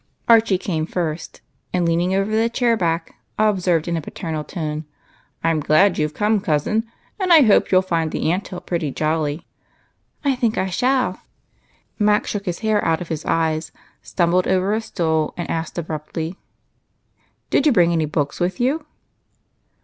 13 Archie came first, and, leaning over the chair back, observed in a paternal tone, —" I 'm glad you 've come, cousin, and I hope you '11 find the Aunt hill pretty jolly." " I think I shall." Mac shook his hair out of his eyes, stumbled over a stool, and asked abruptly, —" Did you bring any books with you